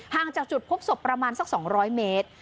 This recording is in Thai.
จากจุดพบศพประมาณสัก๒๐๐เมตร